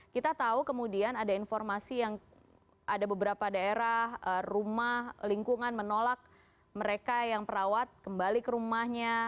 kita tahu kemudian ada informasi yang ada beberapa daerah rumah lingkungan menolak mereka yang perawat kembali ke rumahnya